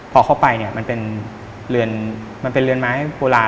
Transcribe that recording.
พอเข้าไปเนี่ยมันเป็นเรือนไม้โบราณ